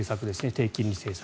低金利政策。